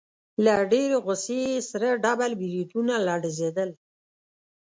له ډېرې غوسې يې سره ډبل برېتونه لړزېدل.